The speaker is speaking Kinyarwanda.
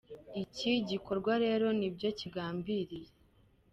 Iki gikorwa rero ni byo kigambiriye.